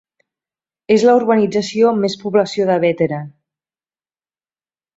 És la urbanització amb més població de Bétera.